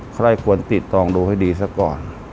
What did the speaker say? ใครควรติดตองดูให้ดีซะก่อน